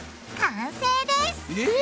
完成です！え！